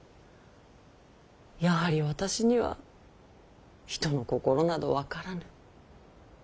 やはり私には人の心など分からぬ。